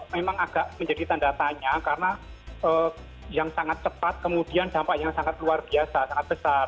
memang agak menjadi tanda tanya karena yang sangat cepat kemudian dampak yang sangat luar biasa sangat besar